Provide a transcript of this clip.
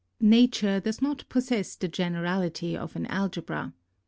Nature does not possess the generality of an algebra.